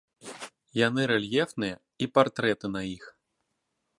Яны рэльефныя і партрэты на іх.